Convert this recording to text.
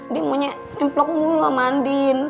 dia maunya nemplok mulu sama andin